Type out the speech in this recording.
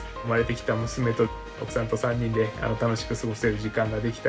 生まれてきた娘と、奥さんと３人で楽しく過ごせる時間がで